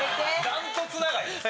断トツ長いです。